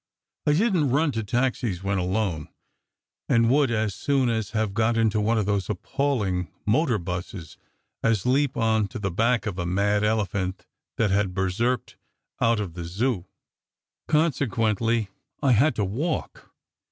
I didn t run to taxis when alone, and would as soon have got into one of those appalling motor buses as leap on to the back of a mad elephant that had berserkered out of the Zoo. Consequently, I had to walk.